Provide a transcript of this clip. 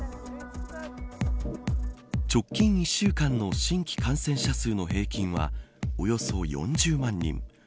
直近１週間の新規感染者数の平均はおよそ４０万人。